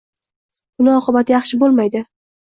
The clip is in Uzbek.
Buni oqibati yaxshi bo‘lmaydi.